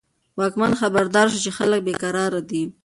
واکمن خبردار شو چې خلک بې قرار دي.